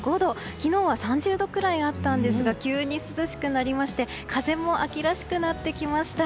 昨日は３０度ぐらいあったんですが急に涼しくなりまして風も秋らしくなってきました。